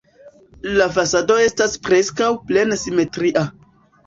La fasado estas preskaŭ plene simetria.